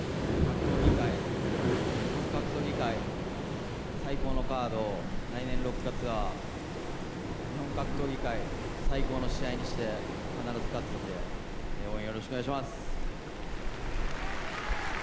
日本格闘技界最高のカードを来年６月は日本格闘技界最高の試合にして必ず勝つんで応援よろしくお願いします。